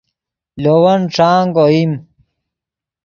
لے ون ݯانگ اوئیم